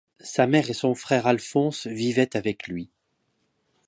Sa mère et son frère Alphonse vivaient avec lui.